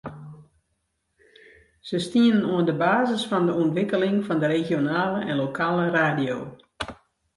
Se stienen oan de basis fan de ûntwikkeling fan de regionale en lokale radio.